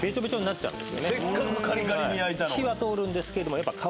せっかくカリカリに焼いた。